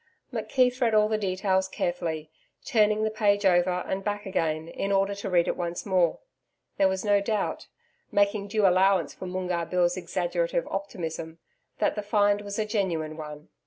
McKeith read all the details carefully, turning the page over and back again in order to read it once more. There was no doubt making due allowance for Moongarr Bill's exaggerative optimism that the find was a genuine one.